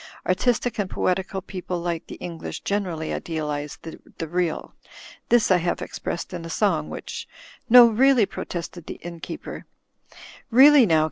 Artistic and poetical people like the English generally idealize the real. This I have ex pressed in a song, which —" "No, really," protested the innkeeper, "really now.